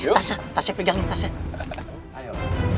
tasnya tasnya pegangin tasnya